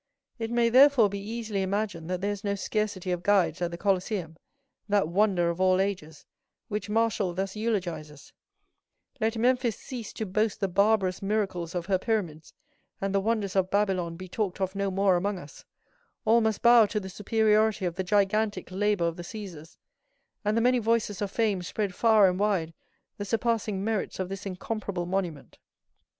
It may, therefore, be easily imagined there is no scarcity of guides at the Colosseum, that wonder of all ages, which Martial thus eulogizes: "Let Memphis cease to boast the barbarous miracles of her pyramids, and the wonders of Babylon be talked of no more among us; all must bow to the superiority of the gigantic labor of the Cæsars, and the many voices of Fame spread far and wide the surpassing merits of this incomparable monument."